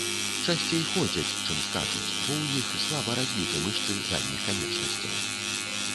Часцей ходзяць, чым скачуць, бо у іх слаба развіты мышцы задніх канечнасцяў.